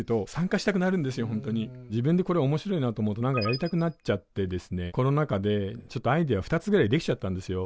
自分でこれ面白いなと思うと何かやりたくなっちゃってですねコロナ禍でちょっとアイデア２つぐらいできちゃったんですよ。